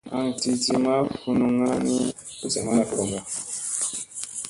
Aŋ ti ti ma funuŋŋa ni u zamalla vogoŋga.